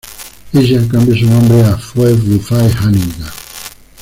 Ella cambia su nombre a Phoebe Buffay-Hannigan.